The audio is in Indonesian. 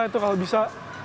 itu kalau bisa